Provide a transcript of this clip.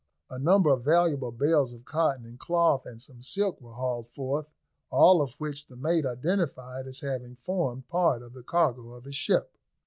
A number of valuable bales of cotton and cloth, and some silk, were hauled forth, all of which the mate identified as having formed part of the cargo of his ship.